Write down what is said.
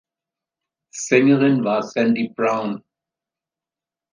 Sängerin war Sandy Brown.